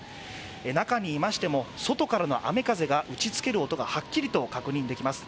中にいましても外からの雨風が打ちつける音がはっきりと確認できます。